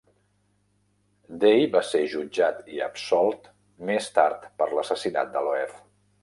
Day va ser jutjat i absolt més tard per l'assassinat de Loeb.